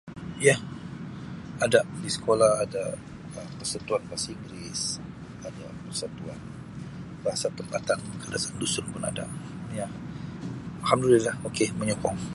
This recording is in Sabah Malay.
Ya, ada di sekolah ada persatuan bahasa inggeris [unintelligible] persatuan bahasa tempatan kadazan dusun pun ada ya Alhamdulillah ok menyokong.